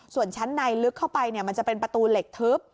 ส่วนชั้นในลึกเข้าไปมันจะเป็นประตูเหล็กทึบ